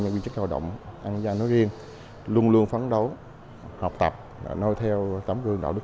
nhân viên chức lao động an gia nói riêng luôn luôn phán đấu học tập nôi theo tấm gương đạo đức